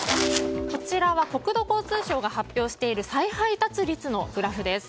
こちらは国土交通省が発表している再配達率のグラフです。